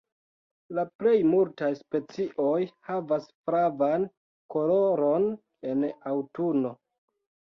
La plej multaj specioj havas flavan koloron en aŭtuno.